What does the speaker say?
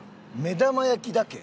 目玉焼きだけ？